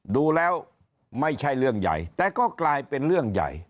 ดูแล้วไม่ใช่เรื่องใหญ่แต่ก็กลายเป็นเรื่องใหญ่